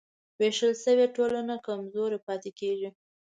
وېشل شوې ټولنه کمزورې پاتې کېږي.